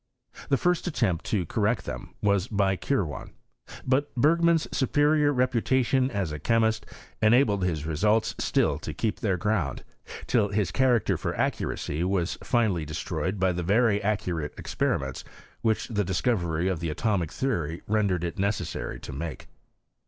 The first attempt to correct them was by Kirwan. But Berg man's superior reputation as a chemist enabled his results still to keep their ground, till his character for accuracy was finally destroyed by the very accu rate experiments which the discovery of the atomic theory rendered it necessary to make.